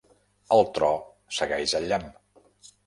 El tro segueix el llamp.